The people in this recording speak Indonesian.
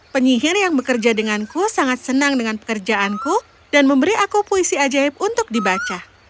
penyihir yang bekerja denganku sangat senang dengan pekerjaanku dan memberi aku puisi ajaib untuk dibaca